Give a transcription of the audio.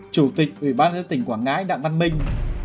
chủ tịch ủy ban dân tỉnh quảng ngãi đặng văn minh